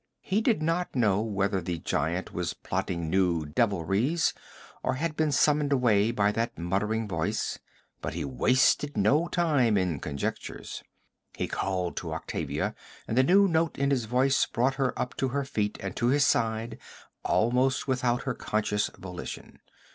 He did not know whether the giant was plotting new devilries or had been summoned away by that muttering voice, but he wasted no time in conjectures. He called to Octavia, and the new note in his voice brought her up to her feet and to his side almost without her conscious volition.